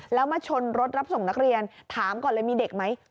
แล้วมาชนรถรับส่งนักเรียนถามก่อนเลยมีเด็กไหม